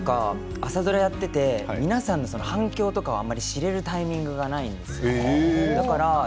朝ドラをやっていて皆さんの反響を知るタイミングがないんですよ。